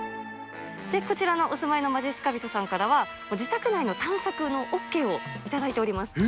こちらにお住いのまじっすか人さんからは自宅内の探索のＯＫを頂いております。